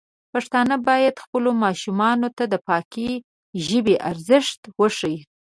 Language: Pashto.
پښتانه بايد خپلو ماشومانو ته د پاکې ژبې ارزښت وښيي.